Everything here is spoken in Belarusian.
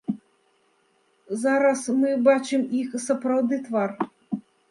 Зараз мы бачым іх сапраўдны твар.